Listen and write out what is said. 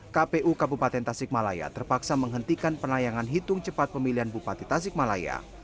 kpu kabupaten tasikmalaya terpaksa menghentikan penayangan hitung cepat pemilihan bupati tasikmalaya